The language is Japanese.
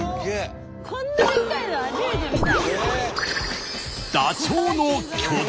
こんなでかいの初めて見た。